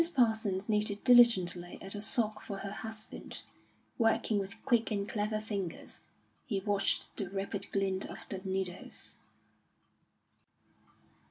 Parsons knitted diligently at a sock for her husband, working with quick and clever fingers. He watched the rapid glint of the needles.